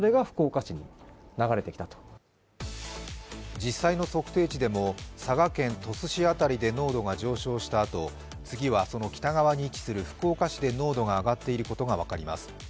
実際の測定値でも佐賀県鳥栖市辺りで濃度が上昇したあと、次は、その北側に位置する福岡市で濃度が上がっていることが分かります。